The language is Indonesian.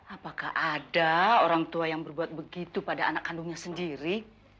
apakah ada orang tua yang berbuat begitu pada anak kandungnya sendiri